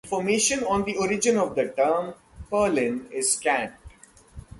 Information on the origin of the term "purlin" is scant.